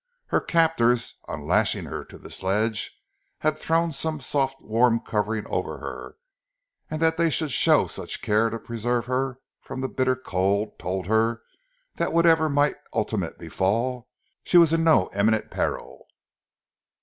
Her captors, on lashing her to the sledge, had thrown some soft warm covering over her, and that they should show such care to preserve her from the bitter cold, told her, that whatever might ultimately befall, she was in no imminent peril.